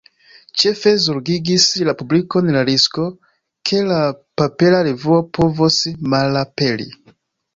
Ĉefe zorgigis la publikon la risko, ke la papera revuo povos malaperi.